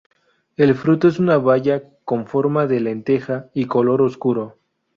El fruto es una baya con forma de lenteja y color oscuro.